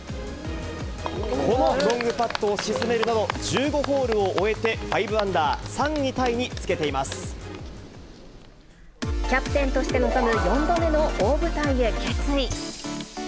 このロングパットを沈めるなど１５ホールを終えて、５アンダー、キャプテンとして臨む４度目の大舞台へ決意。